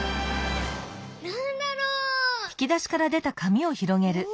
なんだろう？